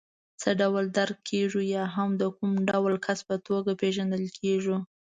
څه ډول درک کېږو یا هم د کوم ډول کس په توګه پېژندل کېږو.